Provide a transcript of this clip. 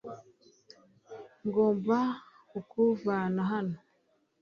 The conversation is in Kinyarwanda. ngomba kukuvana hano